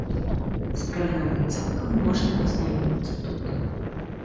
З праграмай цалкам можна азнаёміцца тут.